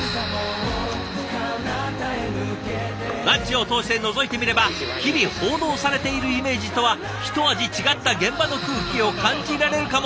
ランチを通してのぞいてみれば日々報道されているイメージとはひと味違った現場の空気を感じられるかも。